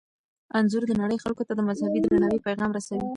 انځور د نړۍ خلکو ته د مذهبي درناوي پیغام رسوي.